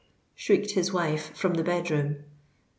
shrieked his wife from the bed room.